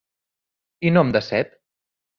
I no em decep.